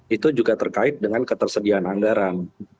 itu juga terkait dengan ketersediaan anggaran